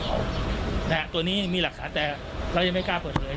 ตัวนี้อันนี้มีหลักฐานแต่เรายังไม่กล้าเปิดเหลือเลย